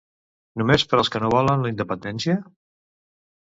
Només per als que no volen la independència?